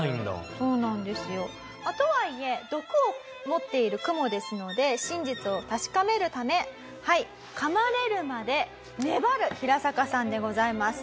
そうなんですよ。とはいえ毒を持っているクモですので真実を確かめるため噛まれるまで粘るヒラサカさんでございます。